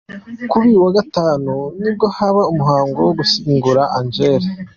Kuri uyu wa Gatanu nibwo haba umuhango wo gushyingura Angélil.